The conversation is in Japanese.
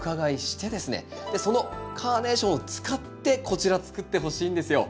そのカーネーションを使ってこちらつくってほしいんですよ。